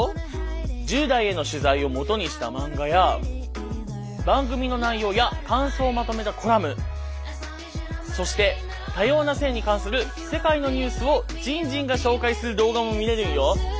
１０代への取材をもとにしたマンガや番組の内容や感想をまとめたコラムそして多様な性に関する世界のニュースをじんじんが紹介する動画も見れるんよ。